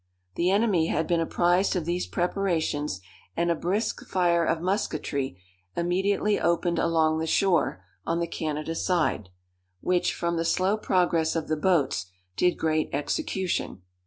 The enemy had been apprised of these preparations, and a brisk fire of musquetry immediately opened along the shore, on the Canada side, which, from the slow progress of the boats, did great execution.